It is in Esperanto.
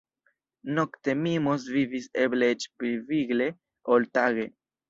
Nokte Mimos vivis eble eĉ pli vigle, ol tage.